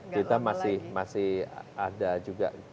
kita masih ada juga